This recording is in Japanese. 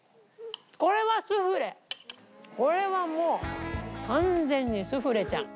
これはもう完全にスフレちゃん。